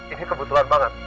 ini kebetulan banget